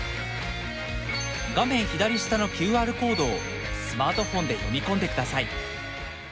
画面左下のＱＲコードをスマートフォンで読み込んでください。